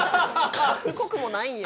濃くもないんや。